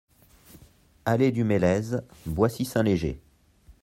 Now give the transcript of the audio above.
Allée du Mélèze, Boissy-Saint-Léger